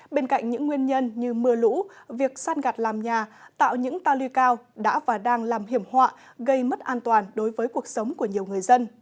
bên cạnh những nguyên nhân như mưa lũ việc san gạt làm nhà tạo những ta lưu cao đã và đang làm hiểm họa gây mất an toàn đối với cuộc sống của nhiều người dân